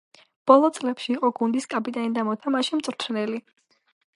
ბოლო წლებში იყო გუნდის კაპიტანი და მოთამაშე-მწვრთნელი.